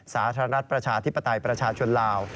สาธารณประชาธิปไตยประชาชนลาว